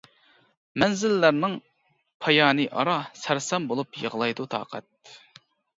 مەنزىللەرنىڭ پايانى ئارا، سەرسان بولۇپ يىغلايدۇ تاقەت.